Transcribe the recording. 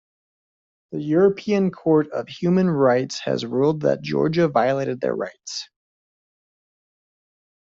The European Court of Human Rights has ruled that Georgia violated their rights.